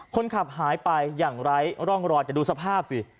คนขับหายไปอย่างไร้ร่องรอยแต่ดูสภาพสิ